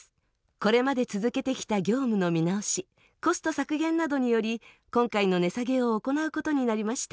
これまで続けてきた業務の見直しコスト削減などにより今回の値下げを行うことになりました。